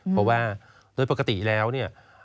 เพราะว่าโดยปกติแล้วเนี่ย